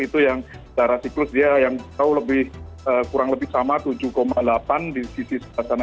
itu yang darah siklus dia yang kurang lebih sama tujuh delapan di sisi sana